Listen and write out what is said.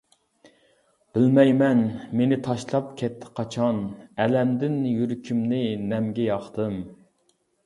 بىلمەيمەن، مېنى تاشلاپ كەتتى قاچان، ئەلەمدىن يۈرىكىمنى نەمگە ياقتىم.